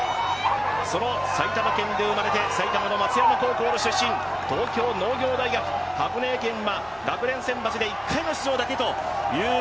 その埼玉県で生まれて埼玉の松山高校の出身、東京農工大学、箱根駅伝は学連選抜で１回だけの出場。